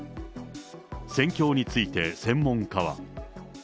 戦況について、専門家は。